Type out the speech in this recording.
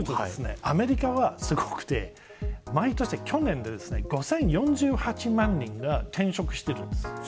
実際に見るとアメリカはすごくて去年５０４８万人が転職しているんです。